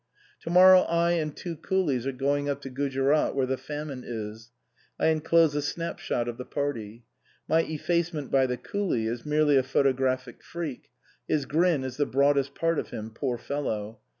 " To morrow I and two coolies are going up to Gujerat where the famine is. I enclose a snapshot of the party. My effacement by the coolie is merely a photographic freak his grin is the broadest part of him, poor fellow.